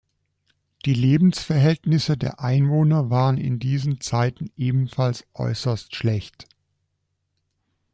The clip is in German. Die Lebensverhältnisse der Einwohner waren in diesen Zeiten ebenfalls äußerst schlecht.